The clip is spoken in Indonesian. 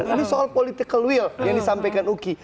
ini soal political will yang disampaikan uki